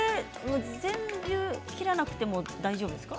全部切らなくても大丈夫ですか？